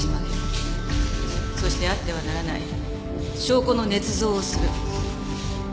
そしてあってはならない証拠の捏造をする。